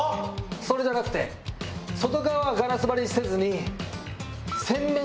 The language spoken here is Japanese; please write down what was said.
それじゃなくて外側はガラス張りにせずに。